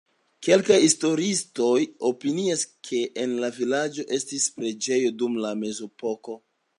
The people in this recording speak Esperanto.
Kelkaj historiistoj opinias, ke en la vilaĝo estis preĝejo dum la mezepoko.